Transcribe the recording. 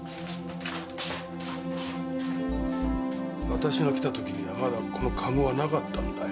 私が来た時にはまだこのカゴはなかったんだよ。